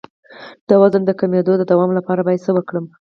د وزن د کمیدو د دوام لپاره باید څه وکړم؟